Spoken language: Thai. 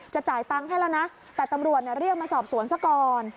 จ่ายตังค์ให้แล้วนะแต่ตำรวจเรียกมาสอบสวนซะก่อน